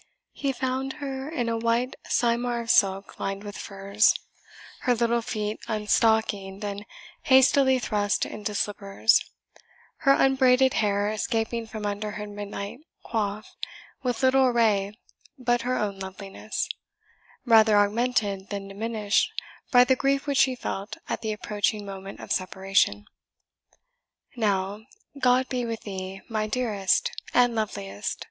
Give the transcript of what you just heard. He found her in a white cymar of silk lined with furs, her little feet unstockinged and hastily thrust into slippers; her unbraided hair escaping from under her midnight coif, with little array but her own loveliness, rather augmented than diminished by the grief which she felt at the approaching moment of separation. "Now, God be with thee, my dearest and loveliest!"